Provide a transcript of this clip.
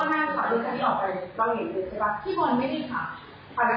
เขาเมาแล้วคนกล้าที่เขาเต็มที่เคราะห์